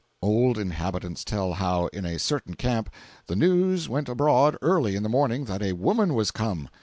Old inhabitants tell how, in a certain camp, the news went abroad early in the morning that a woman was come!